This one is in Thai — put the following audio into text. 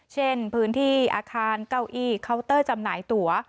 เช่นพื้นที่อาคารเก้าอี้เคาน์เตอร์จำหน่ายตั๋ว